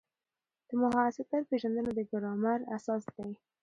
د مصدر پېژندنه د ګرامر اساس دئ.